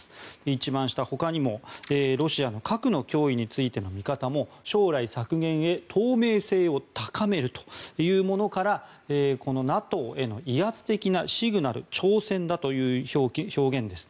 一番下、ほかにもロシアの核の脅威についての見方も将来、削減へ透明性を高めるというものからＮＡＴＯへの威圧的なシグナル・挑戦だという表現です。